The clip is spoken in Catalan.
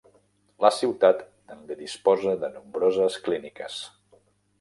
La ciutat també disposa de nombroses clíniques.